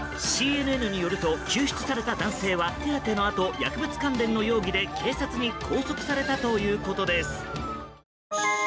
ＣＮＮによると救出された男性は手当てのあと薬物関連の容疑で警察に拘束されたということです。